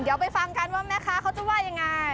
เดี๋ยวไปฟังกันว่าแม่ค้าเขาจะว่ายังไง